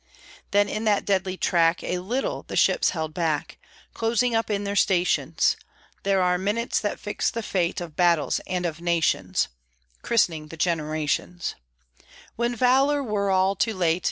Then in that deadly track A little the ships held back, Closing up in their stations; There are minutes that fix the fate Of battles and of nations (Christening the generations), When valor were all too late.